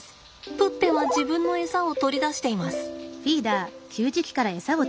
プッペは自分のエサを取り出しています。